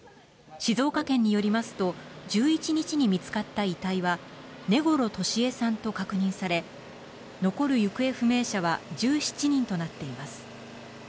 静岡県によりますと１１日に見つかった遺体は根來敏江さんと確認され、残る行方不明者は１７人となっています。